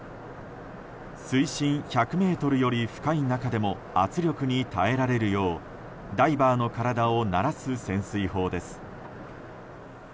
水深１００ｍより深い中でも圧力に耐えられるようダイバーの体を慣らす潜水法です。